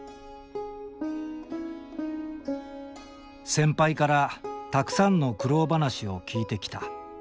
先輩からたくさんの苦労話を聞いてきた。